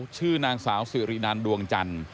ชื่อนางสาวสิรินันดวงจันทร์